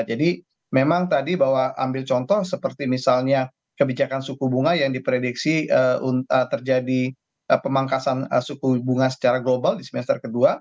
jadi memang tadi bahwa ambil contoh seperti misalnya kebijakan suku bunga yang diprediksi terjadi pemangkasan suku bunga secara global di semester ke dua